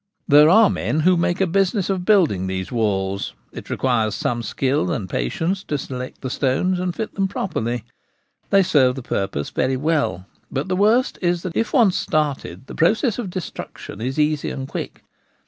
There are Protection of Property. 165 men who make a business of building these walls ; it requires some skill and patience to select the stones and 'fit them properly. They serve the purpose very well, but the worst is that if once started the process of destruction is easy and quick.